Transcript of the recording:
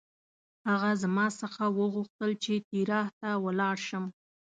هغه زما څخه وغوښتل چې تیراه ته ولاړ شم.